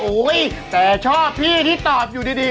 แต่ชอบพี่ที่ตอบอยู่ดี